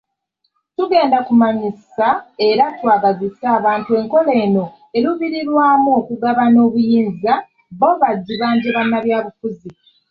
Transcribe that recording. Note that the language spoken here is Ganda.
Tugenda kumanyisa era twagazise abantu enkola eno eruubirirwamu okugabana obuyinza, bo bagibanje bannabyabufuzi.